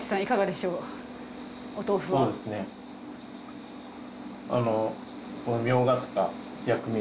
そうですねあの。